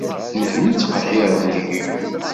Nutni ttqehhiren deg-i.